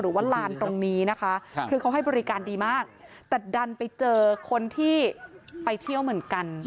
หรือว่าลานตรงนี้แต่ก็ให้บริการดีมากแต่ดันไปเจอคนที่ไปเที่ยวเหมือนกัน